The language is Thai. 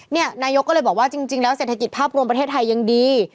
นายกก็เลยบอกว่าจริงแล้วเศรษฐกิจภาพรวมประเทศไทยยังดี